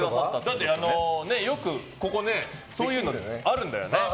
だって、よくここ、そういうのあるんだよね。